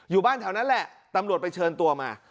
อยู่บ้านแถวนั้นแหละตำรวจไปเชิญตัวมา